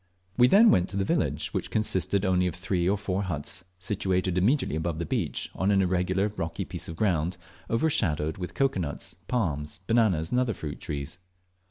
We then went to the village, which consisted only of three or four huts, situated immediately above the beach on an irregular rocky piece of ground overshadowed with cocoa nuts, palms, bananas, and other fruit trees.